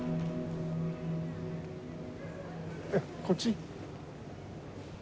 こっち？